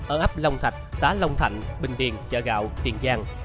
ở ấp long thạch xã long thạnh bình điền chợ gạo tiền giang